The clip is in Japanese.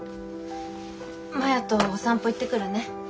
摩耶とお散歩行ってくるね。